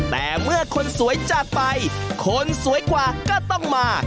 แต่เมื่อคนสวยจากไปคนสวยกว่าก็ต้องมา